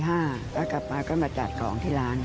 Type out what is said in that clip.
แล้วกลับมาก็มาจัดของที่ร้าน